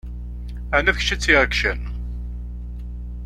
Ɛni d kečč i t-iɛeggcen?